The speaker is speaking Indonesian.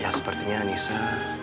ya sepertinya anissa